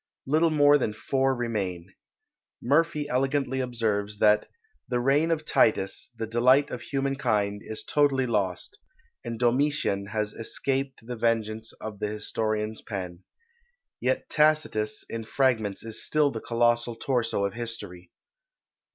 little more than four remain. Murphy elegantly observes, that "the reign of Titus, the delight of human kind, is totally lost, and Domitian has escaped the vengeance of the historian's pen." Yet Tacitus in fragments is still the colossal torso of history.